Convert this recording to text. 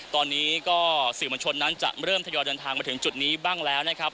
ตอนนี้ก็สื่อมวลชนนั้นจะเริ่มทยอยเดินทางมาถึงจุดนี้บ้างแล้วนะครับ